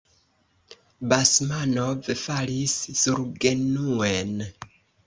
Basmanov falis surgenuen.